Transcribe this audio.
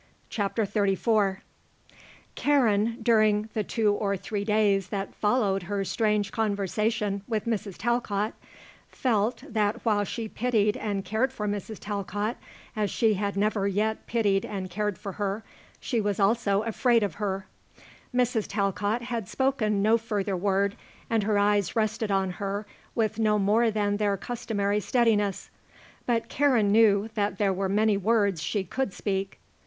CHAPTER XXXIV Karen, during the two or three days that followed her strange conversation with Mrs. Talcott, felt that while she pitied and cared for Mrs. Talcott as she had never yet pitied and cared for her, she was also afraid of her. Mrs. Talcott had spoken no further word and her eyes rested on her with no more than their customary steadiness; but Karen knew that there were many words she could speak.